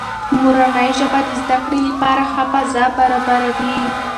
مورنۍ ژبه د زده کړې لپاره ښه فضا برابروي.